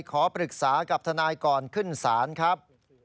ขอปรึกษากับทนายก่อนขึ้นศาลครับ